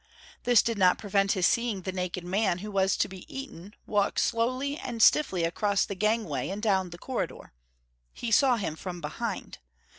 This did not prevent his seeing the naked man who was to be eaten walk slowly and stiffly across the gangway and down the corridor. He saw him from behind.